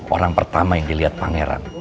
orang pertama yang dilihat pangeran